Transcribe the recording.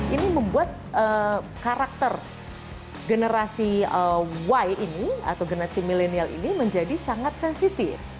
ini membuat karakter generasi y ini atau generasi milenial ini menjadi sangat sensitif